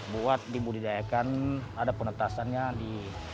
buat dibudidayakan ada penetasannya di